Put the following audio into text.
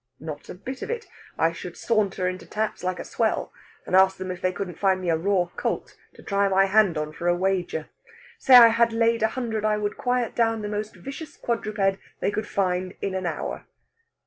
"Not a bit of it! I should saunter into Tat's' like a swell, and ask them if they couldn't find me a raw colt to try my hand on for a wager. Say I had laid a hundred I would quiet down the most vicious quadruped they could find in an hour."